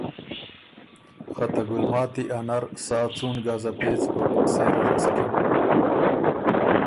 خه ته ګلماتی ا نر سا څُون ګزه پېڅ بُک سېره رسکِن